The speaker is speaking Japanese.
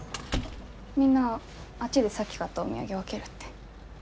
みんなあっちでさっき買ったお土産分けるって。